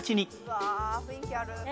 うわ雰囲気ある。